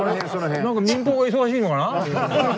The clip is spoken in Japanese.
何か民放が忙しいのかな？